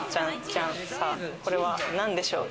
これはなんでしょう？